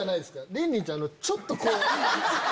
リンリンちゃんちょっとこう。